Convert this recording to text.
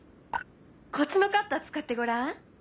こっちのカッター使ってごらん。